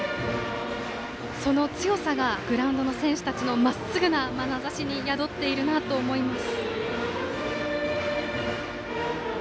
その強さがグラウンドの選手たちのまっすぐなまなざしに宿っているなと思います。